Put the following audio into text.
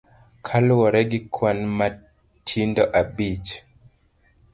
Kaluwore gi kwan matindo abich.